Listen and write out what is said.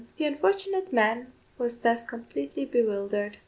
The unfortunate man was thus completely bewildered.